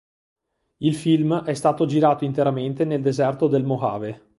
Il film è stato girato interamente nel deserto del Mojave.